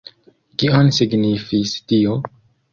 Kion signifis tio?